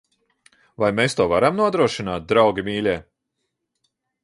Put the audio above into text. Vai mēs to varam nodrošināt, draugi mīļie?